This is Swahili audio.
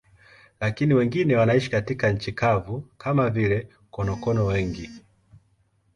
Lakini wengine wanaishi katika nchi kavu, kama vile konokono wengi.